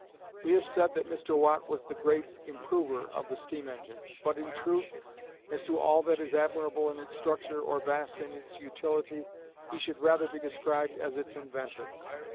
We have said that Mr. Watt was the great improver of the steam engine; but, in truth, as to all that is admirable in its structure, or vast in its utility, he should rather be described as its inventor.